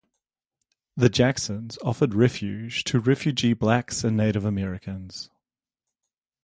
The Jacksons offered refuge to refugee blacks and Native Americans.